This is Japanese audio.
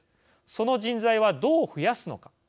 その人材はどう増やすのか。